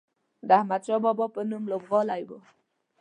د احمدشاه بابا په نوم لوبغالی و.